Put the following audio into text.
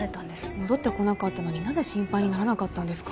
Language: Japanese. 戻ってこなかったのになぜ心配にならなかったんですか？